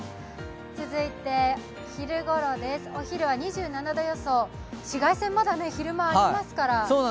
続いて昼ごろです、お昼は２７度予想紫外線、まだ昼間、ありますから。